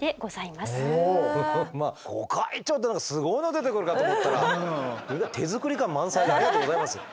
「御開帳」って何かすごいの出てくるかと思ったら手作り感満載でありがとうございます。